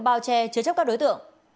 bao che chứa chấp các đối tượng